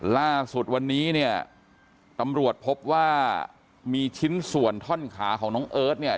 ล่าสุดวันนี้เนี่ยตำรวจพบว่ามีชิ้นส่วนท่อนขาของน้องเอิร์ทเนี่ย